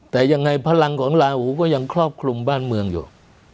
แต่ยังไงพลังของลาหูก็ยังครอบคลุมบ้านเมืองอยู่